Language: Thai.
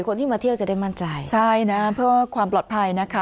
คนที่มาเที่ยวจะได้มั่นใจใช่นะเพื่อความปลอดภัยนะคะ